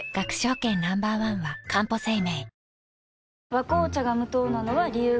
「和紅茶」が無糖なのは、理由があるんよ。